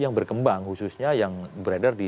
yang berkembang khususnya yang beredar di